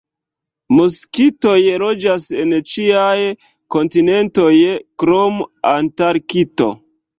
Moskitoj loĝas en ĉiaj kontinentoj krom Antarkto.